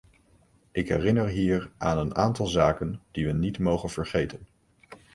Ik herinner hier aan een aantal zaken die we niet mogen vergeten.